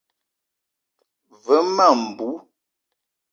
Ve ma mbou.